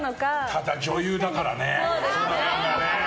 ただ、女優だからね。